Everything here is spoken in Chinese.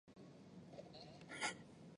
是哭泣的寂寞的灵魂